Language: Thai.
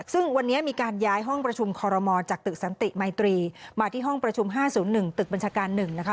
ซึ่งวันนี้มีการย้ายห้องประชุมคอรมอลจากตึกสันติมัยตรีมาที่ห้องประชุม๕๐๑ตึกบัญชาการ๑นะคะ